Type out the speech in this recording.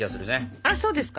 あらそうですか？